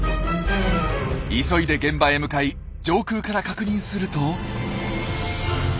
急いで現場へ向かい上空から確認すると。